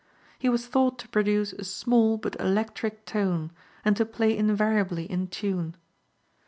He was thought to produce a small but electric tone, and to play invariably in tune.